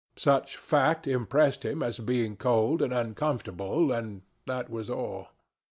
Such fact impressed him as being cold and uncomfortable, and that was all.